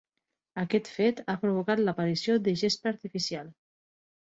Aquest fet ha provocat l'aparició de la gespa artificial.